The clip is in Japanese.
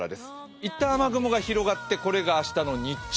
一旦雨雲が広がって、これが明日の日中。